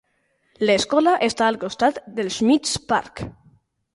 L'escola està al costat del Schmitz Park.